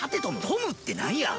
トムってなんや？